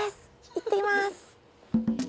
いってきます。